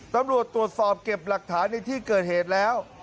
ตำรวจตรวจสอบเก็บหลักฐานในที่เกิดเหตุแล้ว